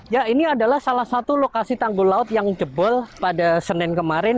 ya ini adalah salah satu lokasi tanggul laut yang jebol pada senin kemarin